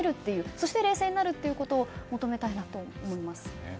そして冷静になるということを求めたいなと思います。